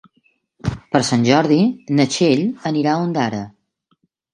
Per Sant Jordi na Txell anirà a Ondara.